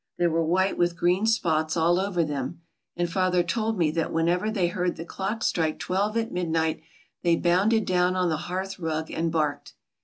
They were white with green spots all over them; and Father told me that whenever they heard the clock strike twelve at midnight they bounded down on the hearth rug and barked.